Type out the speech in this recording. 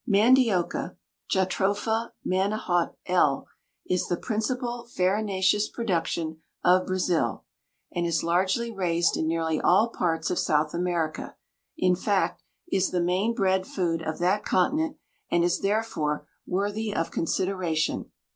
Mandioca (Jatropha Manihot L.) is the principal farinaceous production of Brazil, and is largely raised in nearly all parts of South America; in fact, is the main bread food of that continent, and is therefore worthy of consideration.